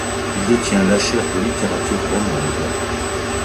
Il détient la chaire de littérature romande.